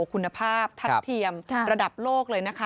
คุณภาพทัดเทียมระดับโลกเลยนะคะ